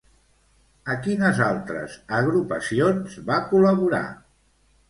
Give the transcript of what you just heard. A quines altres agrupacions va col·laborar?